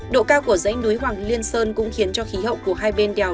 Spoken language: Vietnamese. độ cao của rãnh núi hoàng liên sơn cũng khiến cho khí hậu của hai bên đèo